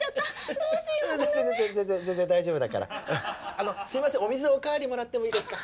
あのすいませんお水お代わりもらってもいいですか？